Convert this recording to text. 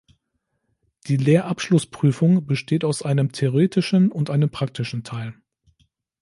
Die Lehrabschlussprüfung besteht aus einem theoretischen und einem praktischen Teil.